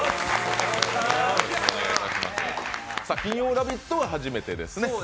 金曜「ラヴィット！」は初めてですね。